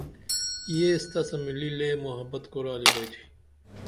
ییس تسہ ملہ لے محبت کُرالی بیئتُھی